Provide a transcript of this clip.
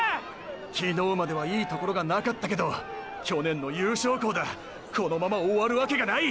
昨日まではいいところがなかったけど去年の優勝校だこのまま終わるわけがない。